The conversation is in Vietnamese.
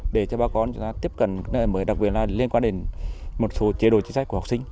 để cho bà con chúng ta tiếp cận nơi mới đặc biệt là liên quan đến một số chế độ chính sách của học sinh